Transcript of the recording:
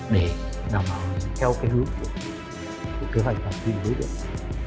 để nào mà theo cái hướng của kế hoạch và hướng đối tượng